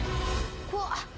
怖っ。